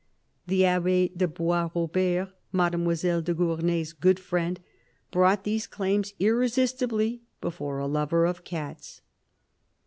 The Abbe de Boisrobert, Mademoiselle de Gournay's good friend, brought these claims irresistibly before a lover of cats.